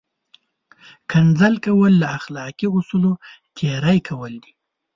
کنځل کول له اخلاقي اصولو تېری کول دي!